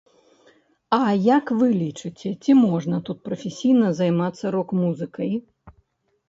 А як вы лічыце, ці можна тут прафесійна займацца рок-музыкай?